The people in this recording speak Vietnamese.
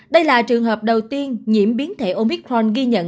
đây là trường hợp đầu tiên nhiễm biến thể omicorn ghi nhận